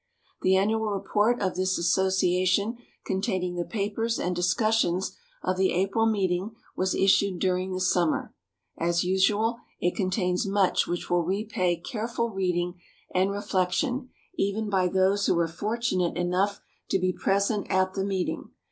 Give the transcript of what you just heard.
The annual report of this association, containing the papers and discussions of the April meeting, was issued during the summer. As usual, it contains much which will repay careful reading and reflection even by those who were fortunate enough to be present at the meeting.